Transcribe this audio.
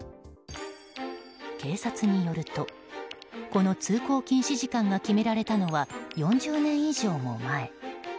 警察によるとこの通行禁止時間が決められたのは４０年以上も前。